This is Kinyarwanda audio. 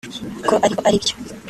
ko aribyo